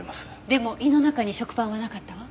でも胃の中に食パンはなかったわ。